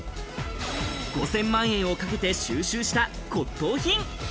５０００万円をかけて収集した骨董品。